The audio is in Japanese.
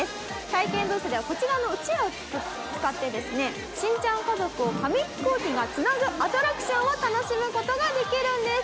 体験ブースではこちらのうちわを使ってしんちゃん家族を紙ヒコーキがつなぐアトラクションを楽しむことができるんです。